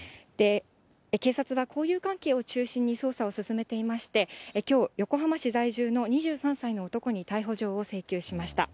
警察は、交友関係を中心に捜査を進めていまして、きょう、横浜市在住の２３歳の男に逮捕状を請求しました。